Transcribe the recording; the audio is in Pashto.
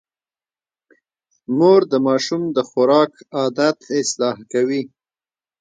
مور د ماشوم د خوراک عادت اصلاح کوي.